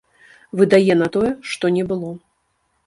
Выдае на тое, што не было.